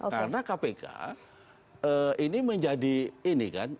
karena kpk ini menjadi ini kan